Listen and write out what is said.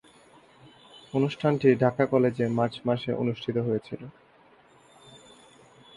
অনুষ্ঠানটি ঢাকা কলেজে মার্চ মাসে অনুষ্ঠিত হয়েছিলো।